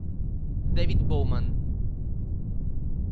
David Bowman